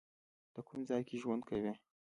ته کوم ځای کې ژوند کوی؟